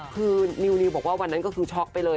คือนิวบอกว่าวันนั้นก็คือช็อกไปเลย